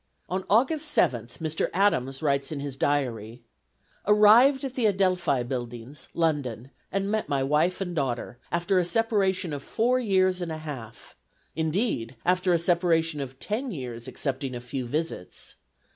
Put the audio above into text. On August 7th, Mr. Adams writes in his diary: "Arrived at the Adelphi Buildings (London) and met my wife and daughter, after a separation of four years and a half; indeed, after a separation of ten years, excepting a few visits.